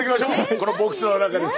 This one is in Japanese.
このボックスの中です。